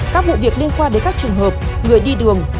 các vụ việc liên quan đến các trường hợp người đi đường